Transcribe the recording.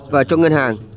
và cho ngân hàng